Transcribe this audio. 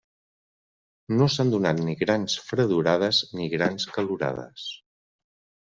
No s'han donat ni grans fredorades ni grans calorades.